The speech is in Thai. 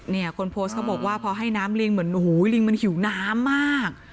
คนโพสต์เขาบอกว่าพอให้น้ำลิงเหมือนโอ้โหลิงมันหิวน้ำมาก